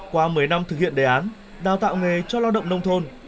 qua mấy năm thực hiện đề án đào tạo nghề cho lao động nông thôn